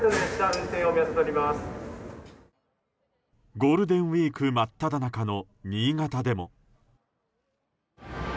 ゴールデンウィーク真っ只中の新潟でも。